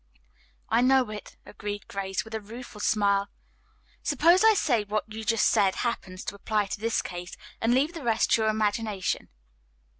"I know it," agreed Grace, with a rueful smile. "Suppose I say what you just said happens to apply to this case, and leave the rest to your imagination."